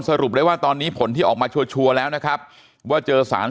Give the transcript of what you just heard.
สรุปได้ว่าตอนนี้ผลที่ออกมาชัวร์แล้วนะครับว่าเจอสาร